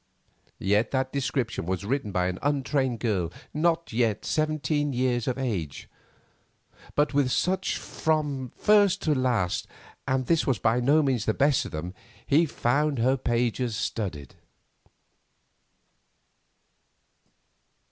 Yet that description was written by an untrained girl not yet seventeen years of age. But with such from first to last, and this was by no means the best of them, he found her pages studded.